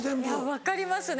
分かりますね。